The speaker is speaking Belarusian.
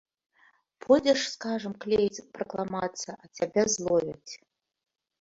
Пойдзеш, скажам, клеіць пракламацыі, а цябе зловяць.